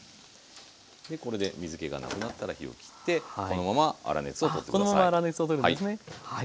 これで水けがなくなったら火を切ってこのまま粗熱を取って下さい。